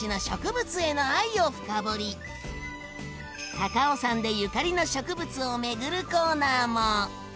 高尾山でゆかりの植物を巡るコーナーも。